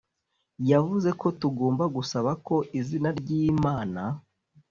yavuze ko tugomba gusaba ko izina ry imana